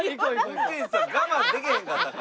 運転士さん我慢できへんかったんか？